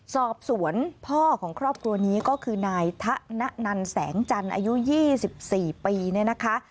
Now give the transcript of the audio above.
สอบสวนพ่อของครอบครัวนี้ก็คือนายถะณนันแสงจันทร์อายุ๒๔ปี